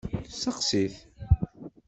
Steqsit!